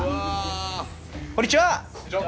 こんにちは！